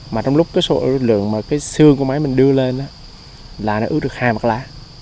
mà trong lúc cái số lượng mà cái xương của máy mình đưa lên đó là nó ướ được hai mặt lá